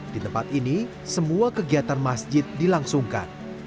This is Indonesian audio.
di tempat ini semua kegiatan masjid dilangsungkan